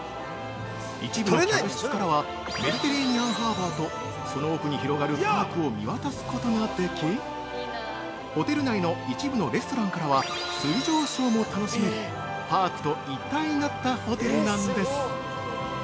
一部の客室からはメディテレーニアンハーバーとその奥に広がるパークを見渡すことができ、ホテル内の一部のレストランからは水上ショーも楽しめるパークと一体になったホテルなんです。